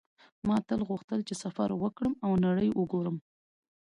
ما تل غوښتل چې سفر وکړم او نړۍ وګورم